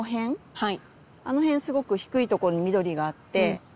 はい。